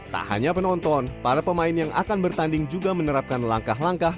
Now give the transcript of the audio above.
tak hanya penonton para pemain yang akan bertanding juga menerapkan langkah langkah